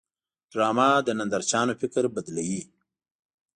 ډرامه د نندارچیانو فکر بدلوي